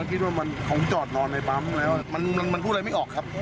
คิดว่ามันคงจอดนอนในปั๊มแล้วมันพูดอะไรไม่ออกครับ